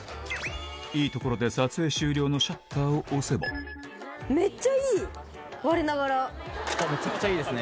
いいところで撮影終了のシャッターを押せばめちゃくちゃいいですね。